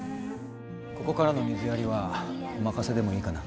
ここからの水やりはお任せでもいいかな。